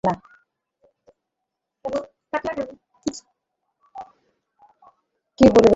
কে বলিবে খেলার সাথি, ইঁহার সামনে তিনি যেন একেবারে কথা কহিতে পারিতেন না।